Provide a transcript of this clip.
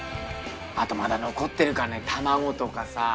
あとまだ残ってるからね玉子とかさ。